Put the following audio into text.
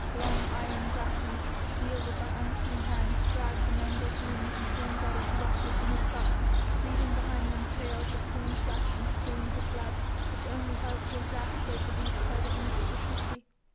Long iron grapnels, wielded by unseen hands, dragged the mangled limbs and torn bodies roughly from his clutch, leaving behind them trails of torn flesh and streams of blood, which only helped to exasperate the beast by their insufficiency.